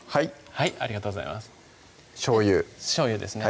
はいありがとうございますしょうゆしょうゆですね